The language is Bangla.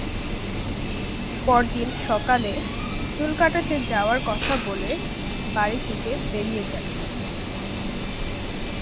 পরদিন সকালে চুল কাটাতে যাওয়ার কথা বলে বাড়ি থেকে বেরিয়ে যায়।